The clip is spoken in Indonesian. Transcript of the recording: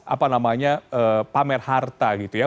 apa namanya pamer harta gitu ya